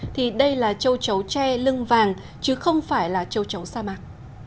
thì đây là châu chấu tre lưng vàng chứ không phải là châu chấu sa mạc